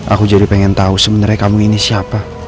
aku jadi pengen tau sebenernya kamu ini siapa